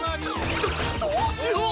どどうしよう。